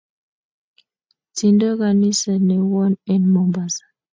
Tindo kanisa newon en Mombasa